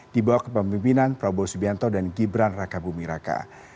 dibawah kepemimpinan prabowo subianto dan gibran raka bumi raka